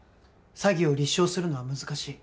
「詐欺を立証するのは難しい」